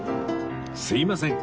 すいません。